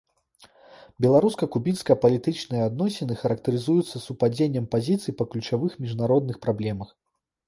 Беларуска-кубінскія палітычныя адносіны характарызуюцца супадзеннем пазіцый па ключавых міжнародных праблемах.